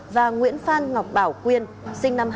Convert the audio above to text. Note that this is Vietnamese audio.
và nguyễn phan ngọc bảo quyên sinh năm hai nghìn